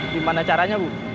gimana caranya bu